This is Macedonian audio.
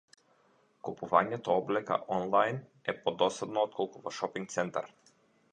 Купувањето облека онлајн е подосадно отколку во шопинг центар.